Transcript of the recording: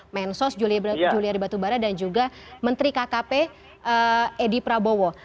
mensos juliari batubara dan juga menteri kkp edi prabowo